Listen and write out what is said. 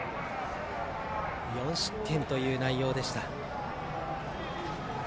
４失点という内容でした。